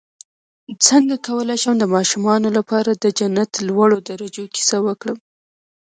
څنګه کولی شم د ماشومانو لپاره د جنت لوړو درجو کیسه وکړم